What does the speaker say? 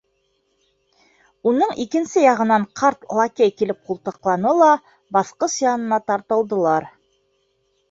Уның икенсе яғынан ҡарт лакей килеп ҡултыҡланы ла, баҫҡыс янына тартылдылар.